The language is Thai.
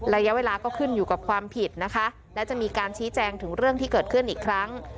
ระยะเวลาก็ขึ้นอยู่กับความผิดนะคะและจะมีการชี้แจงถึงเรื่องที่เกิดขึ้นอีกครั้ง